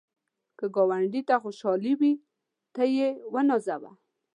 که ګاونډي ته خوشحالي وي، ته یې ونازوه